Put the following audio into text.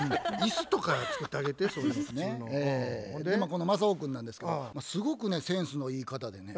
このマサオ君なんですけどすごくねセンスのいい方でね